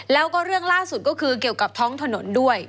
แล้วก็เรื่องล่าสุดก็คือเกี่ยวกับท้องถนนด้วย